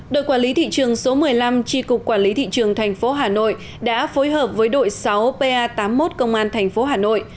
đội quản lý thị trường số một mươi năm tri cục quản lý thị trường thành phố hà nội đã phối hợp với đội sáu pa tám mươi một công an tp hà nội